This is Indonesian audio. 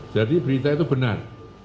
jadi berita itu benar